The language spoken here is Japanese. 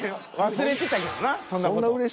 忘れてたけどなそんな事。